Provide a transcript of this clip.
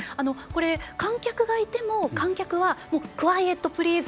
観客がいても、観客はクワイエットプリーズ